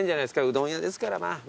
「うどん屋ですからまぁ」